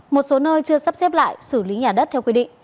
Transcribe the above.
một số nơi chưa sắp xếp lại xử lý nhà đất theo quy định